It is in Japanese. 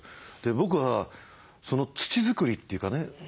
僕はその土作りっていうかね